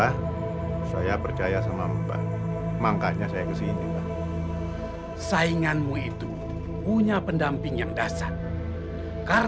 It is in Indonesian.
tapi kok gonggongannya panjang sekali